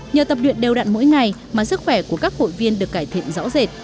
nhờ tập luyện đều đặn mỗi ngày mà sức khỏe của các hội viên được cải thiện rõ rệt